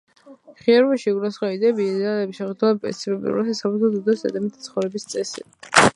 ღირებულებებში იგულისხმება იდეები, იდეალები, შეხედულებები, პრინციპები, რომლებიც საფუძვლად უდევს ადამიანთა ცხოვრების წესს.